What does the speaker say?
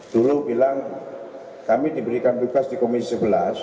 dulu bilang kami diberikan tugas di komisi sebelas